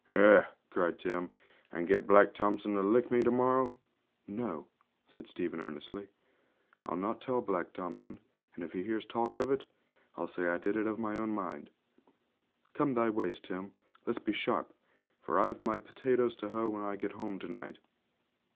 'Eh!' cried Tim; 'and get Black Thompson to lick me to morrow?' 'No,' said Stephen earnestly, 'I'll not tell Black Thompson; and if he hears talk of it, I'll say I did it of my own mind. Come thy ways, Tim; let's be sharp, for I've my potatoes to hoe when I get home to night.'